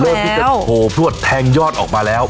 อ๋อเรื่องที่เป็นโผล่พรวดแทงยอดออกมาแล้ว